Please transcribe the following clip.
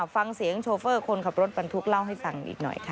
โชเฟอร์คนขับรถบรรทุกเล่าให้ฟังอีกหน่อยค่ะ